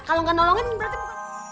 kalau gak nolongin berarti